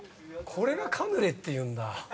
これが「カヌレ」っていうんだ。